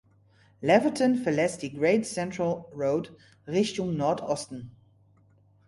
Laverton verlässt die Great Central Road Richtung Nordosten.